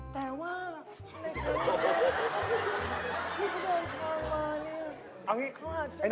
แต่ว่าในพรรณที่กำลังคาวะเนี่ย